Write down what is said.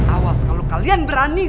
awas kalo kalian berani